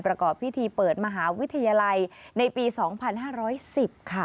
ประกอบพิธีเปิดมหาวิทยาลัยในปี๒๕๑๐ค่ะ